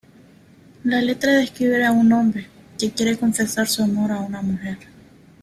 La letra describe a un hombre que quiere confesar su amor a una mujer.